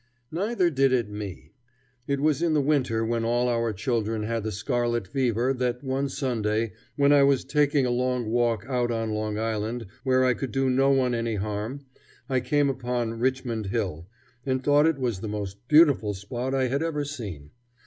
Neither did it me. It was in the winter when all our children had the scarlet fever that one Sunday, when I was taking a long walk out on Long Island where I could do no one any harm, I came upon Richmond Hill, and thought it was the most beautiful spot I had ever seen.